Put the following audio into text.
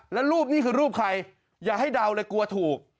แล้วรูปนี้คือรูปใครอย่าให้เดาเลยกลัวถูก